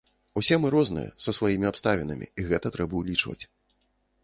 Усе мы розныя, са сваімі абставінамі, і гэта трэба ўлічваць.